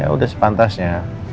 ya udah sepantasnya